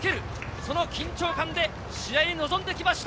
その緊張感で試合に臨んできました。